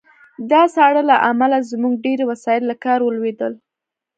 د ساړه له امله زموږ ډېری وسایط له کار ولوېدل